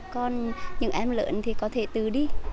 còn những em lớn thì có thể từ đi